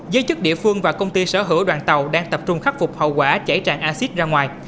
giới chức địa phương và công ty sở hữu đoàn tàu đang tập trung khắc phục hậu quả chảy trạng acid ra ngoài